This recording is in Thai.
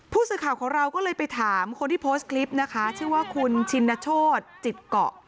ผู้สื่อข่าวของเราก็เลยไปถามคนที่โพสต์คลิปนะคะชื่อว่าคุณชินโชธจิตเกาะ